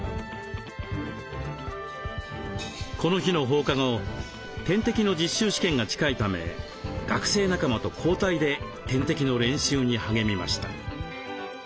この日の放課後点滴の実習試験が近いため学生仲間と交代で点滴の練習に励みました。